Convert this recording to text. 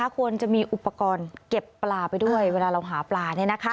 ควรจะมีอุปกรณ์เก็บปลาไปด้วยเวลาเราหาปลา